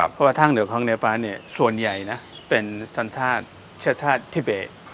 เพราะว่าทางเหนือของในฟ้าเนี่ยส่วนใหญ่นะเป็นสัญชาติทิเบส